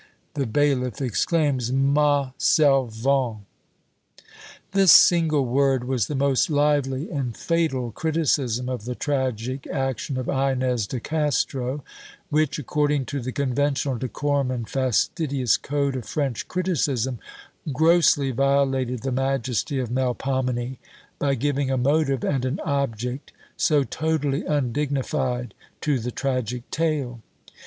The Baillif exclaims, Ma servante! This single word was the most lively and fatal criticism of the tragic action of Inez de Castro, which, according to the conventional decorum and fastidious code of French criticism, grossly violated the majesty of Melpomene, by giving a motive and an object so totally undignified to the tragic tale.